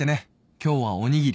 「今日はおにぎり。